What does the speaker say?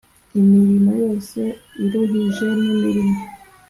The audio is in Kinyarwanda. Imirimo yose iruhije n imirimo